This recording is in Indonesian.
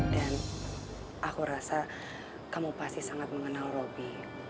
dan aku rasa kamu pasti sangat mengenal robi